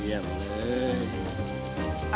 เฮียบเลย